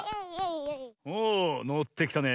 おおのってきたね。